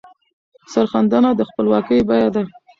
سرښندنه د خپلواکۍ بیه ده.